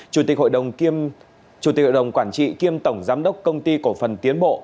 chủ tịch hội đồng quản trị kiêm tổng giám đốc công ty cổ phần tiến bộ